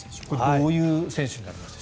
どういう選手になりますか？